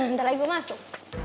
ntar lagi gue masuk